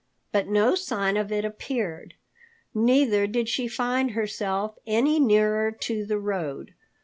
But no sign of it appeared, neither did she find herself any nearer to the road.